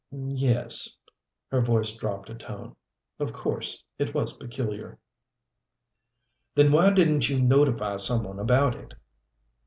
"Yes." Her voice dropped a tone. "Of course it was peculiar." "Then why didn't you notify some one about it?"